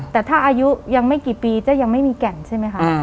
แต่ถ้าอายุยังไม่กี่ปีจะยังไม่มีแก่นใช่ไหมคะ